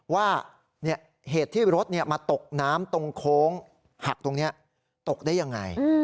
ว่าเหตุที่รถมาตกน้ำตรงโค้งหักตรงนี้ตกได้ยังไง